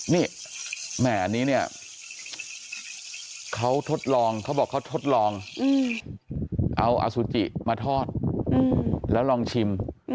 นี่แหม่อันนี้เนี่ยเขาทดลองเขาบอกเขาทดลองเอาอสุจิมาทอดแล้วลองชิม